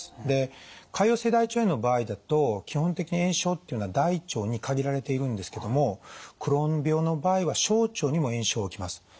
で潰瘍性大腸炎の場合だと基本的に炎症っていうのは大腸に限られているんですけどもクローン病の場合は小腸にも炎症が起きます。